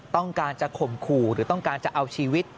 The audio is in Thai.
ต้องการจะข่มขู่หรือต้องการจะเอาชีวิต